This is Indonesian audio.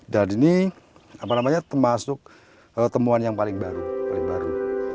dan ini termasuk temuan yang paling baru